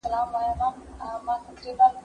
هر څوک بايد چي د خپلي کمبلي سره سمي پښې و غځوي.